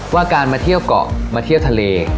ว่าการมาเที่ยวเกาะมาเที่ยวทะเล